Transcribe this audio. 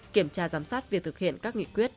kiểm tra giám sát việc thực hiện các nghị quyết